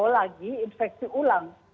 lagi infeksi ulang